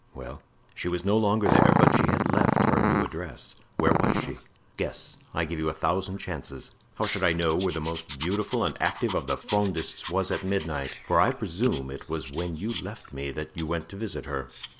"Well?" "She was no longer there, but she had left her new address." "Where was she?" "Guess; I give you a thousand chances." "How should I know where the most beautiful and active of the Frondists was at midnight? for I presume it was when you left me that you went to visit her."